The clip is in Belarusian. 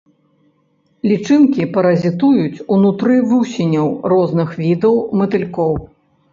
Лічынкі паразітуюць унутры вусеняў розных відаў матылькоў.